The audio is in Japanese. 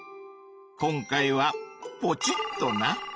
今回はポチッとな！